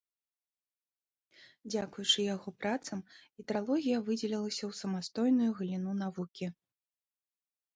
Дзякуючы яго працам гідралогія выдзелілася ў самастойную галіну навукі.